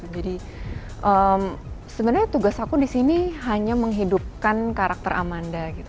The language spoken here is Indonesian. jadi sebenarnya tugas aku disini hanya menghidupkan karakter amanda gitu